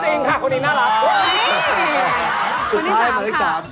สุดท้ายหมายเลข๓ค่ะสุดท้ายหมายเลข๓